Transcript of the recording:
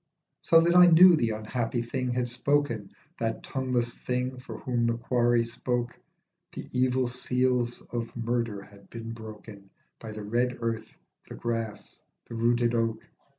So that I knew the unhappy thing had spoken, That tongueless thing for whom the quarry spoke, The evil seals of murder had been broken By the red earth, the grass, the rooted oak.